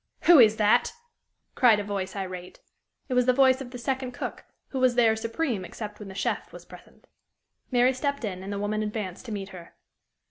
"Who is that?" cried a voice irate. It was the voice of the second cook, who was there supreme except when the chef was present. Mary stepped in, and the woman advanced to meet her.